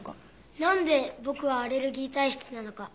なんで僕はアレルギー体質なのか？